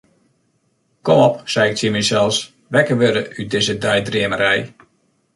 Kom op, sei ik tsjin mysels, wekker wurde út dizze deidreamerij.